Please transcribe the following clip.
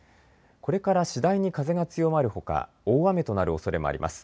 これから次第に風が強まるほか大雨となるおそれもあります。